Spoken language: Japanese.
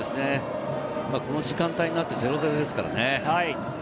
この時間帯になって０対０ですからね。